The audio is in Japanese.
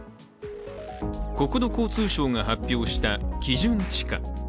国土交通省が発表した基準地価。